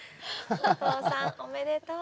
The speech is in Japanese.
お父さんおめでとう。